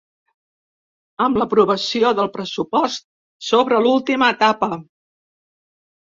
Amb l’aprovació del pressupost s’obre l’última etapa.